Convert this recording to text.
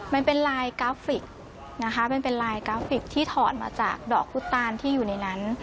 มันเป็นลายกราฟิกที่ถอดมาจากดอกพุตตานที่อยู่ในนั้น